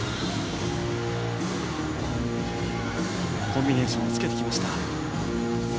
コンビネーションつけてきました。